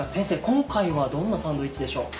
今回はどんなサンドイッチでしょう？